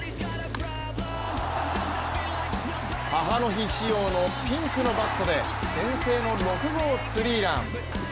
母の日仕様のピンクのバットで先制の６号スリーラン。